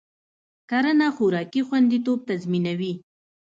کرنه خوراکي خوندیتوب تضمینوي.